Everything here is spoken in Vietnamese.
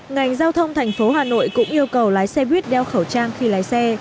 ngành giao thông thành phố hà nội cũng yêu cầu lái xe buýt đeo khẩu trang khi lái xe